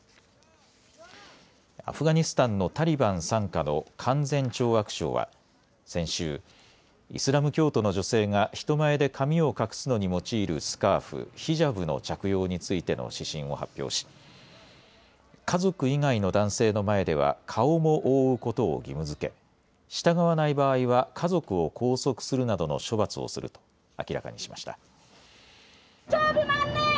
アフガニスタンのタリバン傘下の勧善懲悪省は先週、イスラム教徒の女性が人前で髪を隠すのに用いるスカーフ、ヒジャブの着用についての指針を発表し家族以外の男性の前では顔も覆うことを義務づけ従わない場合は家族を拘束するなどの処罰をすると明らかにしました。